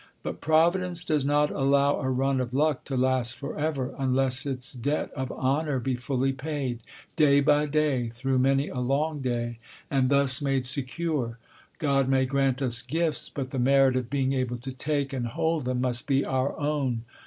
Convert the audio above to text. But providence does not allow a run of luck to last for ever, unless its debt of honour be fully paid, day by day, through many a long day, and thus made secure. God may grant us gifts, but the merit of being able to take and hold them must be our own.